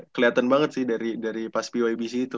keliatan banget sih dari pas pybc itu